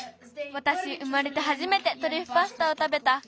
わたし生まれてはじめてトリュフパスタをたべた。